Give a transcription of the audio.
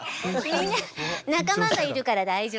みんな仲間がいるから大丈夫。